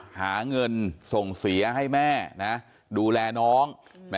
หาเงินส่งเสียให้แม่ดูแลน้อง